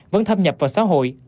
vẫn thâm nhập vào xã hội